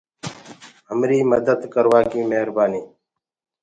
همري مدد ڪروآڪي مهربآنيٚ۔